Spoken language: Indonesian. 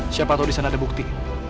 siapa tahu di sana ada bukti